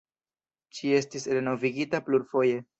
Ĝi estis renovigita plurfoje.